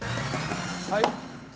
はい。